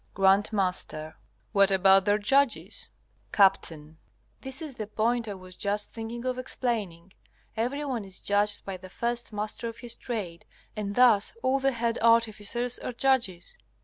G.M. What about their judges? Capt. This is the point I was just thinking of explaining. Everyone is judged by the first master of his trade, and thus all the head artificers are judges.